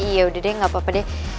yaudah deh gak apa apa deh